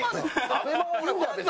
ＡＢＥＭＡはいいんだよ